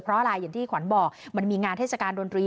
เพราะอะไรอย่างที่ขวัญบอกมันมีงานเทศกาลดนตรี